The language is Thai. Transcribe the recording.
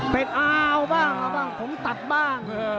เป็นเอาบ้างเอาบ้างผมตัดบ้าง